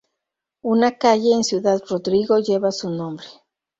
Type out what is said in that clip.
Una calle en Ciudad Rodrigo lleva su nombre.